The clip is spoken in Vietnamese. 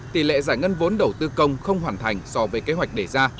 tỷ lệ giải ngân vốn đầu tư công không hoàn thành so với kế hoạch đề ra